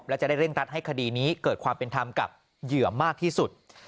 และจะได้เร่งรัดให้คดีนี้เกิดความเป็นธรรมกับเหยื่อมากที่สุด